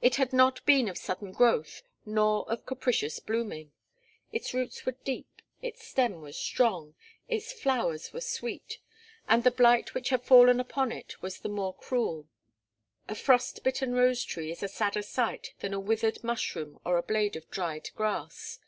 It had not been of sudden growth nor of capricious blooming. Its roots were deep, its stem was strong, its flowers were sweet and the blight which had fallen upon it was the more cruel. A frostbitten rose tree is a sadder sight than a withered mushroom or a blade of dried grass.